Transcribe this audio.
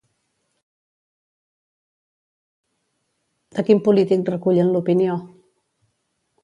De quin polític recullen l'opinió?